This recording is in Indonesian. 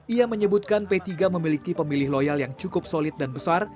ia menyebutkan p tiga memiliki pemilih loyal yang cukup solid dan besar